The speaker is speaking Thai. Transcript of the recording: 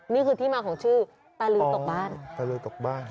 นี่คือที่มาของชื่อตาลือตกบ้านตาลือตกบ้าน